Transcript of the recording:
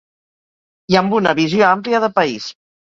I amb una visió àmplia de país.